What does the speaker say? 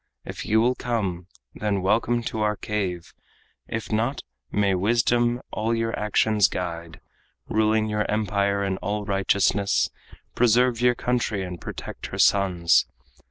If you will come, then welcome to our cave; If not, may wisdom all your actions guide. Ruling your empire in all righteousness, Preserve your country and protect her sons.